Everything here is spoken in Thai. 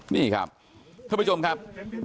นี่ครับท่านผู้ชมครับ